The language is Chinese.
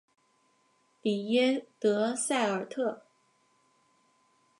里耶德塞尔特。